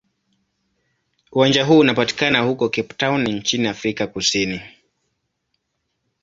Uwanja huu unapatikana huko Cape Town nchini Afrika Kusini.